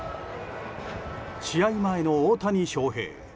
試合前の大谷翔平。